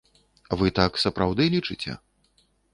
Вы так сапраўды лічыце?